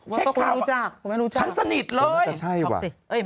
เช็คคราวว่าฉันสนิทเลย